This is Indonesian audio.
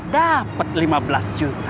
dapat lima belas juta